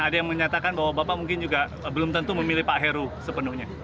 ada yang menyatakan bahwa bapak mungkin juga belum tentu memilih pak heru sepenuhnya